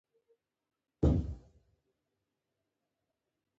د فیصلې متن راوړه چې اصلاح شي.